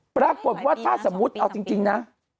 ปรากฏว่าถ้าสมมุติเอาจริงนะ